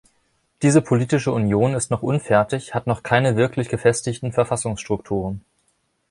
Diese Politische Union ist noch unfertig, hat noch keine wirklich gefestigten Verfassungsstrukturen.